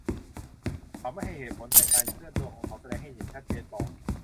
เขาไม่ให้เหตุผล แต่การเคลื่อนตัวของเขาแสดงให้เห็นชัดเจนพอ